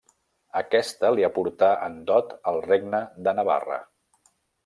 Aquesta li aportà en dot el Regne de Navarra.